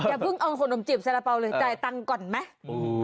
ยังพึ่งเอาขนมจีบซาระเปาเลยแต่ใจตังค์ก่อนไหม